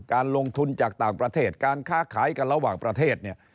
การลงทุนจากต่างประเทศการค้าขายกันระหว่างประเทศเนี่ย